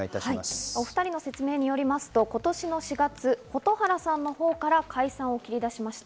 ２人の説明によりますと今年の４月、蛍原さんのほうから解散を切り出しました。